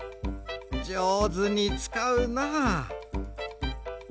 じょうずにつかうな。